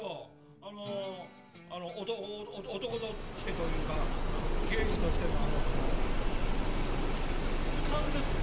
あの男男としてというか刑事としてのあのその勘ですよ。